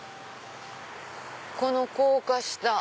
この高架下！